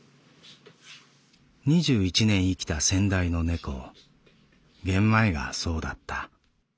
二十一年生きた先代の猫ゲンマイがそうだった。